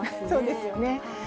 そうですよね。